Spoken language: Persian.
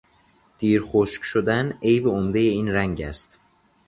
دیرخشک شدن عیب عمدهی این رنگ است.